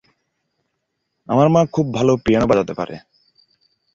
আমার মা খুব ভাল পিয়ানো বাজাতে পারে।